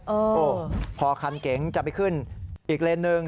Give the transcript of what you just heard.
โอ้โหพอคันเก๋งจะไปขึ้นอีกเลนหนึ่ง